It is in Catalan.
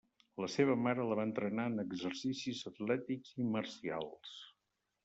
La seva mare la va entrenar en exercicis atlètics i marcials.